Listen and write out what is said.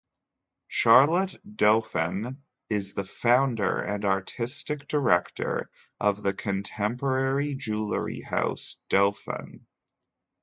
Charlotte Dauphin is the founder and artistic director of the contemporary jewelry house "Dauphin".